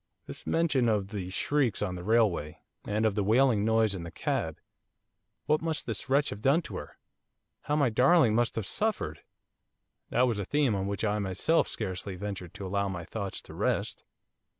'This mention of the shrieks on the railway, and of the wailing noise in the cab, what must this wretch have done to her? How my darling must have suffered!' That was a theme on which I myself scarcely ventured to allow my thoughts to rest.